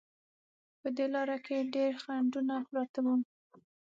په دې لاره کې ډېر خنډونه پراته وو.